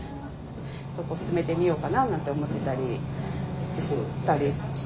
そこ勧めてみようかななんて思ってたりしたりしてるんですけど。